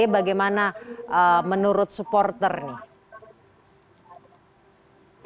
bagaimana menurut supporter nih